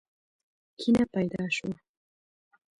کینه پیدا شوه.